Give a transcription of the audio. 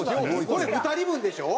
これ２人分でしょ？